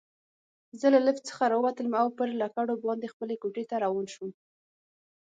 زه له لفټ څخه راووتلم او پر لکړو باندې خپلې کوټې ته روان شوم.